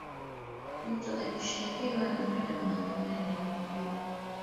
mtu ukishtakiwa unakwenda mahakamani na kujibu ma